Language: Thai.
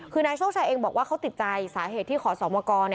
คือนายโชคชัยเองบอกว่าเขาติดใจสาเหตุที่ขอสมกร